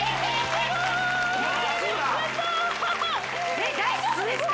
えっ大丈夫ですか！？